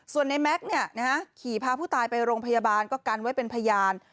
ส่วนในแม็กซ์ขี่พาผู้ตายไปโรงพยาบาลก็กันไว้เป็นพยาน